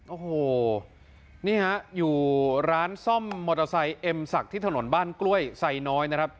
โอ้โหนี่ฮะอยู่ร้านซ่อมมอเตอร์ไซค์เอ็มศักดิ์ที่ถนนบ้านกล้วยไซน้อยนะครับ